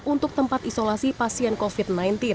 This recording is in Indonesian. untuk tempat isolasi pasien covid sembilan belas